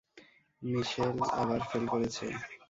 মিশেল আবার ফেল করেছে?